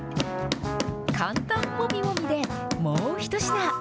簡単もみもみで、もう一品。